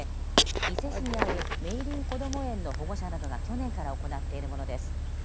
伊勢市にあるめいりんこども園の保護者などが去年から行っているものです。